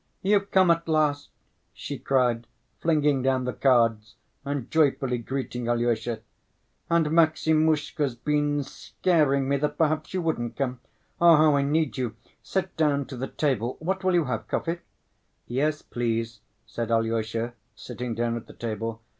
"You've come at last!" she cried, flinging down the cards and joyfully greeting Alyosha, "and Maximushka's been scaring me that perhaps you wouldn't come. Ah, how I need you! Sit down to the table. What will you have—coffee?" "Yes, please," said Alyosha, sitting down at the table.